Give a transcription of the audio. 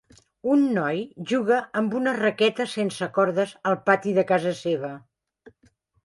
Un noi juga amb una raqueta sense cordes al pati de casa seva.